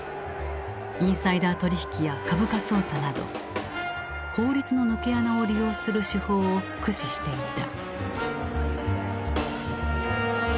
インサイダー取引や株価操作など法律の抜け穴を利用する手法を駆使していた。